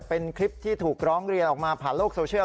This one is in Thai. เป็นคลิปที่ถูกร้องเรียนออกมาผ่านโลกโซเชียล